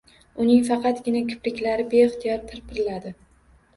Uning faqatgina kipriklari beixtiyor pir-piradi